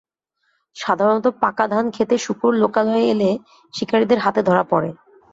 সাধারণত পাকা ধান খেতে শূকর লোকালয়ে এলে শিকারিদের হাতে ধরা পড়ে।